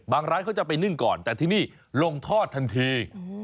ร้านเขาจะไปนึ่งก่อนแต่ที่นี่ลงทอดทันที